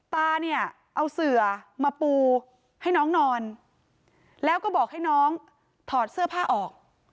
ตาเนี่ยเอาเสือมาปูให้น้องนอนแล้วก็บอกให้น้องถอดเสื้อผ้าออก